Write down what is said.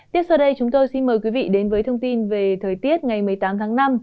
tiếp sau đây chúng tôi xin mời quý vị đến với thông tin về thời tiết ngày một mươi tám tháng năm